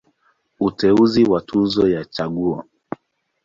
Uteuzi wa Tuzo ya Chaguo.